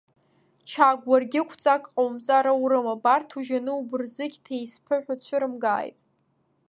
Чагә, уаргьы қәҵак ҟоумҵар аурым, абарҭ ужьаны убырзықь ҭеисԥыҳә уцәырымгааит!